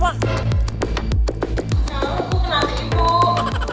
jangan lupa kena tipu